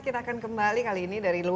kita akan kembali kali ini dari luar